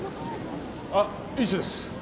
あっ医師です。